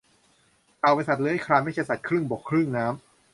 เต่าเป็นสัตว์เลื้อยคลานไม่ใช่สัตว์ครึ่งบกครึ่งน้ำ